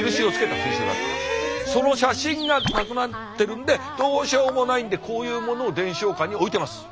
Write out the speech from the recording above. その写真がなくなってるんでどうしようもないんでこういうものを伝承館に置いてます。